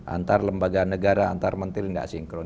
antar lembaga negara antar menteri tidak sinkron